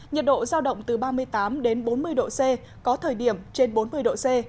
nhiệt độ giao động từ ba mươi tám đến bốn mươi độ c có thời điểm trên bốn mươi độ c